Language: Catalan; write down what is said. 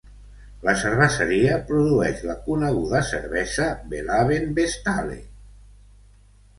La cerveseria produeix la coneguda cervesa Belhaven Best ale.